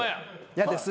嫌です！